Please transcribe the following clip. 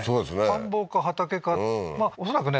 田んぼか畑か恐らくね